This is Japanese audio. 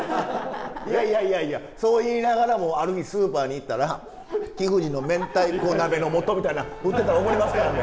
いやいやいやいやそう言いながらもある日スーパーに行ったら「木藤の明太子鍋のもと」みたいな売ってたら怒りますからね。